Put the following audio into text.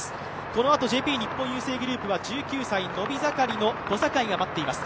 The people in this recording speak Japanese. このあとＪＰ日本郵政グループは１９歳、伸び盛りの小坂井が待っています。